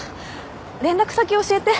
連絡先教えて。